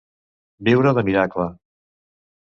Viure de miracle.